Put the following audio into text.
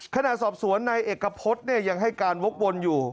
ขนาดสอบสวนเอกกระพศยังให้การวกวนอยู่